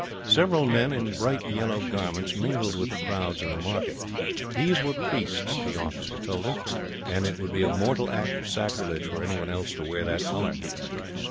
Several men, in bright yellow garments, mingled with the crowds in the market. These were priests, the officer told him; and it would be a mortal act of sacrilege, were anyone else to wear that colour.